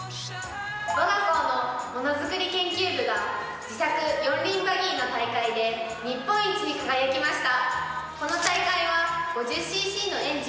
我が校のものづくり研究部が自作４輪バギー大会で日本一に輝きました。